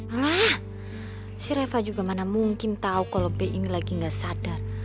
alah si reva juga mana mungkin tau kalo be ini lagi gak sadar